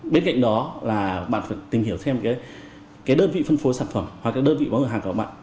bên cạnh đó là bạn phải tìm hiểu thêm cái đơn vị phân phối sản phẩm hoặc cái đơn vị bán cửa hàng cả bạn